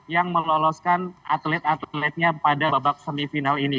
yang meloloskan atlet atletnya pada babak semifinal ini